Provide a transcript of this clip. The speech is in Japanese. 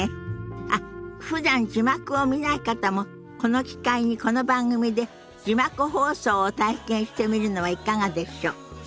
あっふだん字幕を見ない方もこの機会にこの番組で字幕放送を体験してみるのはいかがでしょ。